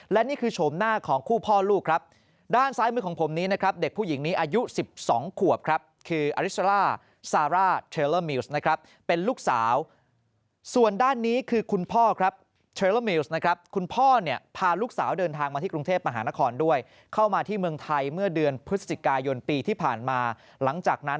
และนี่คือโฉมหน้าของคู่พ่อลูกครับด้านซ้ายมือของผมนี้นะครับเด็กผู้หญิงนี้อายุ๑๒ขวบครับคืออริสร่าซาร่าเทลเลอร์มิวส์นะครับเป็นลูกสาวส่วนด้านนี้คือคุณพ่อครับเชลเลอร์มิวส์นะครับคุณพ่อเนี่ยพาลูกสาวเดินทางมาที่กรุงเทพมหานครด้วยเข้ามาที่เมืองไทยเมื่อเดือนพฤศจิกายนปีที่ผ่านมาหลังจากนั้น